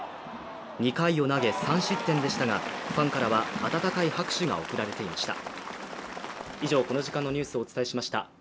２回を投げ３失点でしたが、ファンからは温かい拍手が送られていました。